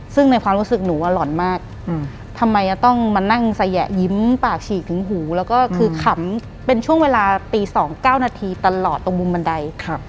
ซึ่งในความรู้สึกหนูว่าหล่อนมากทำไมจะต้องมานั่งสยะยิ้มปากฉีกถึงหูแล้วก็คือขำเป็นช่วงเวลาตี๒๙นาทีตลอดตรงมุมบันได